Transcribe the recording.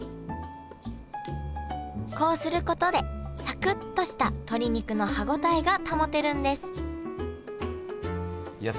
こうすることでサクっとした鶏肉の歯応えが保てるんですいや